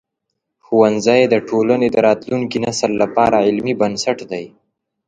ښوونځی د ټولنې د راتلونکي نسل لپاره علمي بنسټ دی.